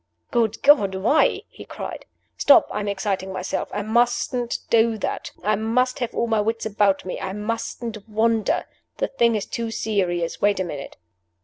"Good God why?" he cried. "Stop! I am exciting myself. I mustn't do that. I must have all my wits about me; I mustn't wander. The thing is too serious. Wait a minute!"